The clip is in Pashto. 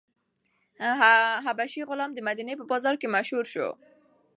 حبشي غلام د مدینې په بازار کې مشهور شو.